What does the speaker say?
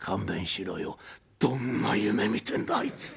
「どんな夢見てんだあいつ。